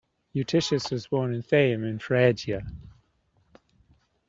Eutychius was born at Theium in Phrygia.